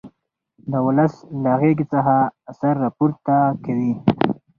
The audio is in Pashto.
د ولس له غېږې څخه سر را پورته کوي.